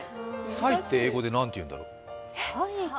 サイって英語で何ていうんだろう？